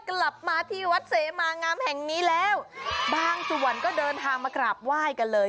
กลับมาที่วัดเสมางามแห่งนี้แล้วบางส่วนก็เดินทางมากราบไหว้กันเลย